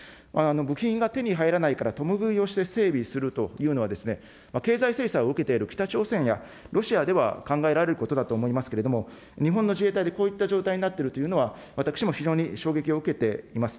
部品が手に入らないから共食いをして整備するというのは、経済制裁を受けている北朝鮮やロシアでは考えられることだとは思いますけれども、日本の自衛隊でこういった状態になっているというのは、私も非常に衝撃を受けています。